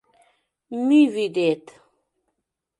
Мӱй вӱдет.